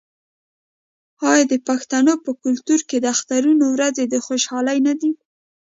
آیا د پښتنو په کلتور کې د اخترونو ورځې د خوشحالۍ نه دي؟